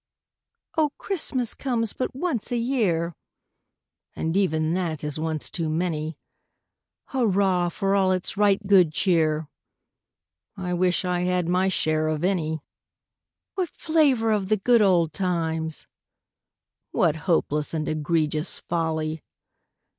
O, CHRISTMAS comes but once a year! (And even that is once too many;) Hurrah for all its right good cheer! (I wish I had my share of any!) What flavour of the good old times! (_What hopeless and egregious folly!